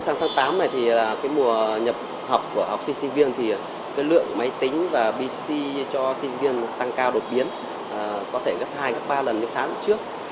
sáng tháng tám này thì mùa nhập học của học sinh sinh viên thì lượng máy tính và pc cho sinh viên tăng cao đột biến có thể gấp hai gấp ba lần những tháng trước